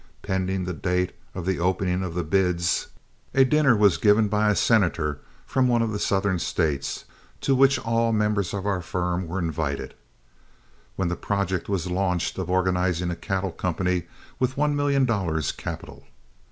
Pending the date of the opening of the bids a dinner was given by a senator from one of the Southern States, to which all members of our firm were invited, when the project was launched of organizing a cattle company with one million dollars capital.